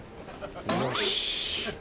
よし。